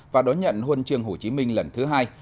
và đón nhận huân trường hồ chí minh lần thứ hai